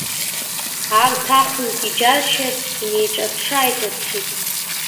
Арҭ ахҩык иџьаршьан, инеиҿаԥшы-ааиҿаԥшит.